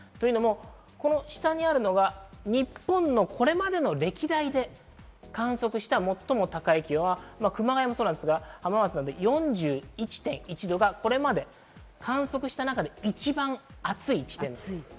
この下にあるのが、日本のこれまでの歴代で観測した最も高い気温が熊谷もそうですが、浜松で４１．１度がこれまで観測した中で一番暑い地点です。